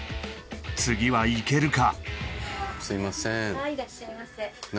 次はいけるか？